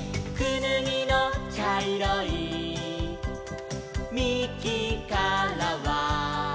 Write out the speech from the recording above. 「くぬぎのちゃいろいみきからは」